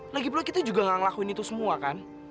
lagipula kita juga nggak ngelakuin itu semua kan